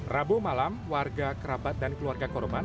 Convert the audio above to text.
rabu malam warga kerabat dan keluarga korban